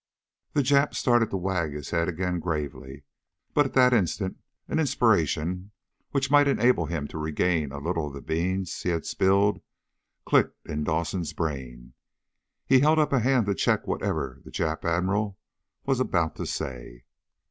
The Jap started to wag his head again gravely, but at that instant an inspiration which might enable him to regain a little of the beans he had spilled clicked in Dawson's brain. He held up a hand to check whatever the Jap Admiral was about to say.